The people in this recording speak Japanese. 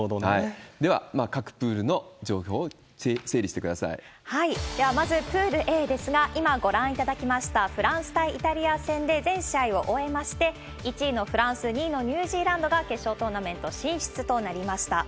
では、各プールの情報を整理では、まずプールＡですが、今ご覧いただきました、フランス対イタリア戦で、全試合を終えまして、１位のフランス、２位のニュージーランドが、決勝トーナメント進出となりました。